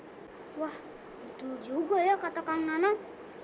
wah betul juga ya kata kang nanang